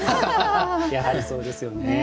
やはりそうですよね。